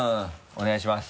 お願いします。